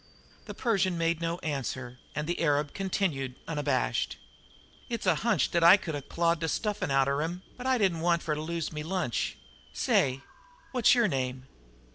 The Persian made no answer, and the arab continued, unabashed: "It's a hunch dat I could 'a' clawed de stuffin's outer him, but I didn't want fer to lose me lunch. Say! Wot's yer name?"